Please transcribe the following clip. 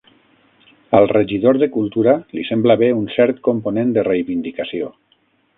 Al regidor de Cultura li sembla bé un cert component de reivindicació.